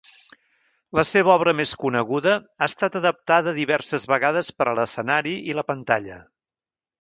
La seva obra més coneguda, ha estat adaptada diverses vegades per a l'escenari i la pantalla.